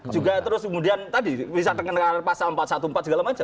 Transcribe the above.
juga terus kemudian tadi bisa terkenal pasal empat ratus empat belas segala macam